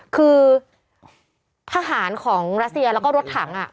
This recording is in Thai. คือทหารของรัสเซียแล้วก็รถถัง